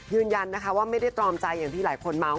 ยืนยันนะคะว่าไม่ได้ตรอมใจอย่างที่หลายคนเมาส